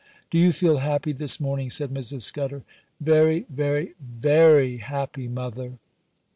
'Do you feel happy this morning?' said Mrs. Scudder. 'Very, very, very happy, mother.